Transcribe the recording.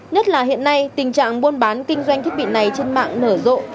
nhất là hiện nay tình trạng buôn bán kinh doanh thiết bị này trên mạng nở rộ